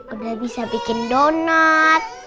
udah bisa bikin donat